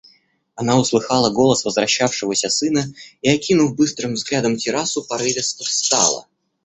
Она услыхала голос возвращавшегося сына и, окинув быстрым взглядом террасу, порывисто встала.